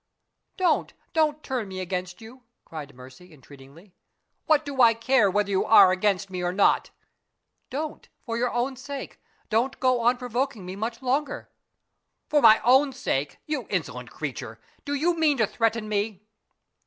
"Don't, don't turn me against you!" cried Mercy, entreatingly. "What do I care whether you are against me or not?" "Don't for your own sake, don't go on provoking me much longer!" "For my own sake? You insolent creature! Do you mean to threaten me?"